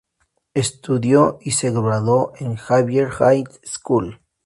Estudió y se graduó en el Xavier High School.